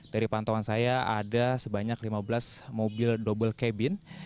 dari pantauan saya ada sebanyak lima belas mobil double cabin